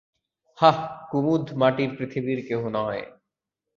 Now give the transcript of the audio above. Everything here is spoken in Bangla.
হা, কুমুদ মাটির পৃথিবীর কেহ নয়।